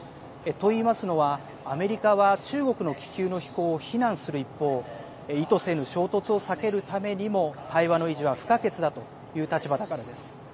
と言いますのはアメリカは中国の気球の飛行を非難する一方意図せぬ衝突を避けるためにも対話の維持は不可欠だという立場だからです。